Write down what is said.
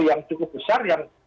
yang cukup besar yang